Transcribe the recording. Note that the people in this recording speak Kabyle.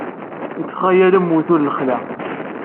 Yettxayal am uwtul n lexla.